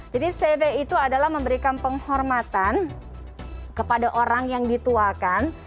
jadi sebe itu adalah memberikan penghormatan kepada orang yang dituakan